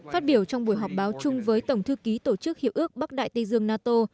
phát biểu trong buổi họp báo chung với tổng thư ký tổ chức hiệp ước bắc đại tây dương nato